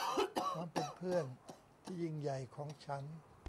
ความเป็นเพื่อนที่ยิ่งใหญ่ของฉัน